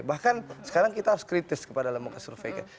bahkan sekarang kita harus kritis kepada lembaga survei